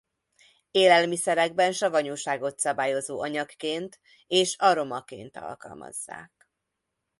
Élelmiszerekben savanyúságot szabályozó anyagként és aromaként alkalmazzák.